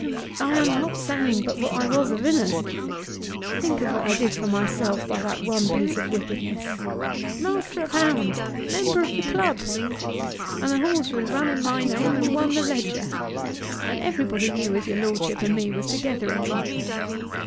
I am not saying but what I was a villain. Think of what I did for myself by that one piece of wickedness! Master of hounds! member of the club! And the horse would have run in my name and won the Leger! And everybody knew as your Lordship and me was together in him!"